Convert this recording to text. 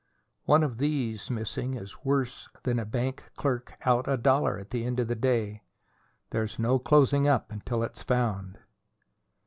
One of these missing is worse than a bank clerk out a dollar at the end of the day. There's no closing up until it's found!"